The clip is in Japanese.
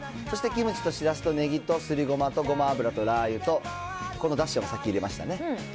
そしてキムチとシラスとねぎとすりごまとごま油とラー油とこのだしを先入れましたね。